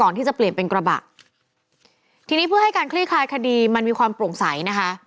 ที่จะเปลี่ยนเป็นกระบะทีนี้เพื่อให้การคลี่คลายคดีมันมีความโปร่งใสนะคะ